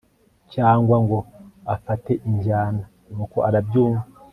cyangwa ngo afate injyana, nuko arabyumva